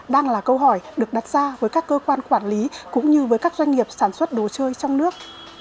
đang là câu hỏi được đặt ra với các cơ quan quản lý cũng như với các doanh nghiệp sản xuất đồ chơi trong nước